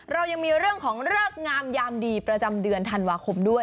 เรายังมีเรื่องของเลิกงามยามดีประจำเดือนธันวาคมด้วย